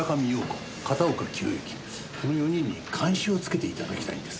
この４人に監視をつけて頂きたいんです。